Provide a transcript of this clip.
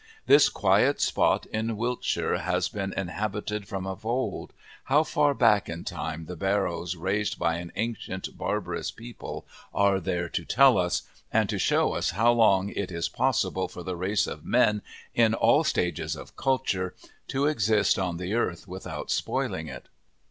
This quiet spot in Wiltshire has been inhabited from of old, how far back in time the barrows raised by an ancient, barbarous people are there to tell us, and to show us how long it is possible for the race of men, in all stages of culture, to exist on the earth without spoiling it.